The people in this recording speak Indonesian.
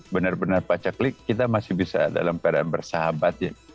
benar benar pacar klik kita masih bisa dalam peran bersahabat ya